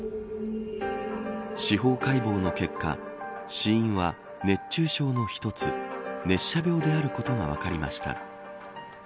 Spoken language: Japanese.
司法解剖の結果、死因は熱中症の一つ熱射病であることが分かりました。